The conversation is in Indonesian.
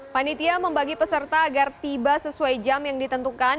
panitia membagi peserta agar tiba sesuai jam yang ditentukan